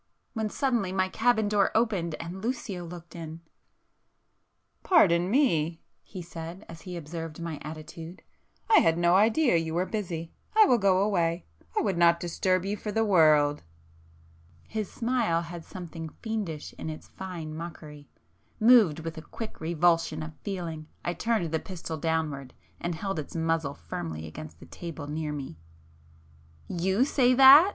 when suddenly my cabin door opened, and Lucio looked in. [p 456]"Pardon me!" he said, as he observed my attitude—"I had no idea you were busy! I will go away. I would not disturb you for the world!" His smile had something fiendish in its fine mockery;—moved with a quick revulsion of feeling I turned the pistol downwards and held its muzzle firmly against the table near me. "You say that!"